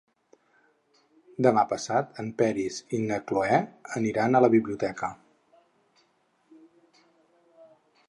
Demà passat en Peris i na Cloè aniran a la biblioteca.